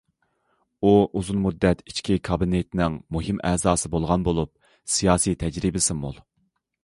ئۇ ئۇزۇن مۇددەت ئىچكى كابىنېتنىڭ مۇھىم ئەزاسى بولغان بولۇپ، سىياسىي تەجرىبىسى مول.